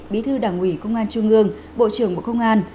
bí thư đảng ủy công an trung ương bộ trưởng bộ công an